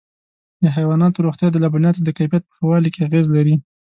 د حيواناتو روغتیا د لبنیاتو د کیفیت په ښه والي کې اغېز لري.